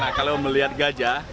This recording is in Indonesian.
nah kalau melihat gajah